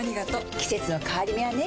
季節の変わり目はねうん。